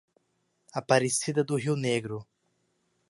Aparecida do Rio Negro